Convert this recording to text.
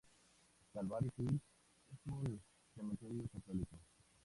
Calvary Hill es un cementerio católico.